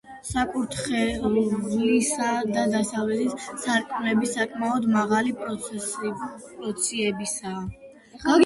საკურთხევლისა და დასავლეთის სარკმლები საკმაოდ მაღალი პროპორციებისაა.